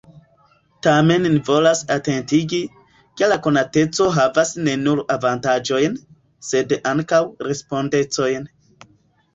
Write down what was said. Tamen ni volas atentigi, ke la konateco havas ne nur avantaĝojn, sed ankaŭ respondecojn.